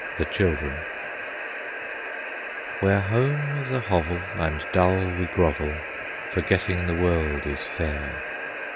THE CHILDREN "Where home is a hovel, and dull we grovel, Forgetting the world is fair."